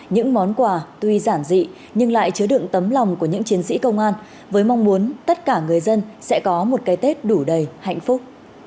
những món quà tuy giản dị nhưng lại chứa đựng tấm lòng của những chiến sĩ công an với mong muốn tất cả người dân sẽ có một cái tết đủ đầy hạnh phúc